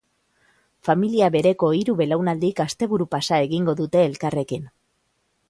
Familia bereko hiru belaunaldik asteburu-pasa egingo dute elkarrekin.